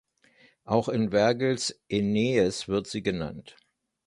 Auch in Vergils "Aeneis" wird sie genannt.